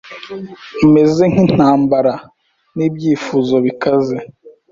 umeze nkintambara nibyifuzo bikaze